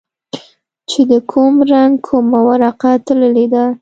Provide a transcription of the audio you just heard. چې د کوم رنگ کومه ورقه تللې ده.